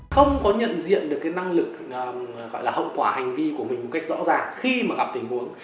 không có nhận diện được cái năng lực gọi là hậu quả hành vi của mình một cách rõ ràng khi mà gặp tình huống